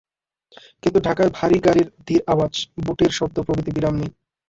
কিন্তু ঢাকায় ভারী গাড়ির ধীর আওয়াজ, বুটের শব্দ প্রভৃতির বিরাম নেই।